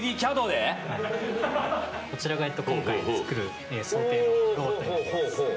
こちらが今回作る想定のロボットになります。